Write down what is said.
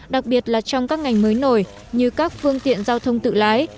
đặc biệt là trong các ngành mới nổi như các phương tiện giao thông tự lái